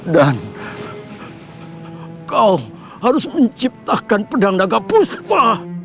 dan kau harus menciptakan pedang naga kuspa